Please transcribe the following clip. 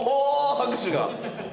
拍手が。